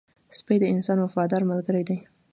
سپی د انسان وفادار ملګری دی